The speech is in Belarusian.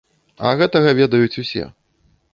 А гэтага ведаюць усе.